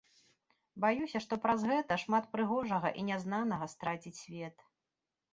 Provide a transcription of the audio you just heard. Баюся, што праз гэта шмат прыгожага і нязнанага страціць свет.